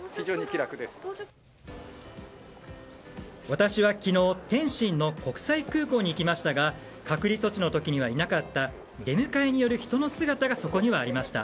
私は昨日天津の国際空港に行きましたが隔離措置の時にはいなかった出迎えに寄る人の姿がそこにはありました。